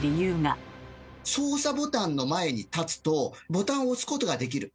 操作ボタンの前に立つとボタンを押すことができる。